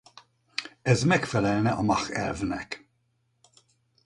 Ez megfelelne a Mach-elvnek.